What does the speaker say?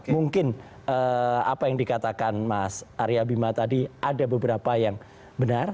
mungkin apa yang dikatakan mas arya bima tadi ada beberapa yang benar